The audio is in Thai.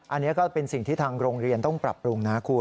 อันนี้ก็เป็นสิ่งที่ทางโรงเรียนต้องปรับปรุงนะคุณ